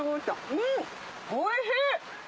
うんおいしい！